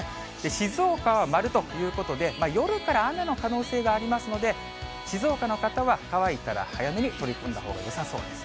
静岡は丸ということで夜から雨の可能性がありますので、静岡の方は乾いたら早めに取り込んだほうがよさそうです。